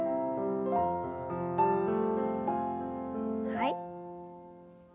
はい。